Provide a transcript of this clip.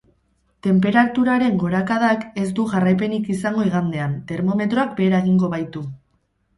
Tenperaturaren gorakadak ez du jarraipenik izango igandean, termometroak behera egingo baitu.